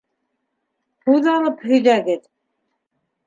Һүҙ алып һөйҙәгеҙ!